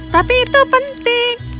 tapi itu penting